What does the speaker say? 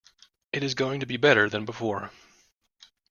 It is going to be better than before.